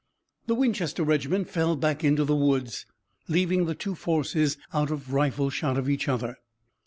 The Winchester regiment fell back into the woods, leaving the two forces out of rifle shot of each other.